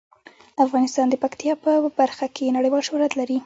افغانستان د پکتیا په برخه کې نړیوال شهرت لري.